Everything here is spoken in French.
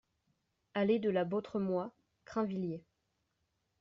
Allée de la Bautremois, Crainvilliers